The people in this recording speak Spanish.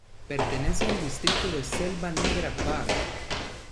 Pertenece al distrito de Selva Negra-Baar.